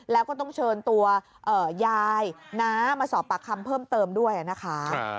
แล้วก็ต้องเชิญตัวยายน้ามาสอบปากคำเพิ่มเติมด้วยนะคะ